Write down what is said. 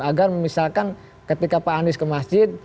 agar misalkan ketika pak anies ke masjid